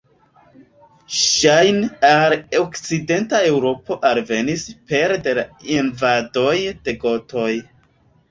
Ŝajne al okcidenta Eŭropo alvenis pere de la invadoj de gotoj.